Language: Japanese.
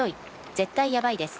絶対やばいです。